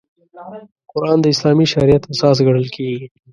قران د اسلامي شریعت اساس ګڼل کېږي.